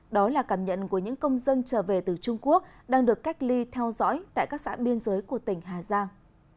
đó là cảm nhận của những công dân trở về từ trung quốc đang được cách ly theo dõi tại các xã biên giới của tỉnh hà giang